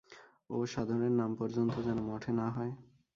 ওঁ-সাধনের নাম পর্যন্ত যেন মঠে না হয়।